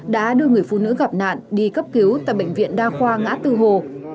đã đưa người phụ nữ gặp nạn đi cấp cứu tại bệnh viện đa khoa ngã tư hồ